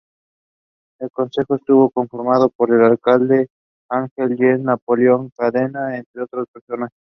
El Consejo estuvo conformado por el alcalde Ángel Yánez, Napoleón Cadena entre otros personajes.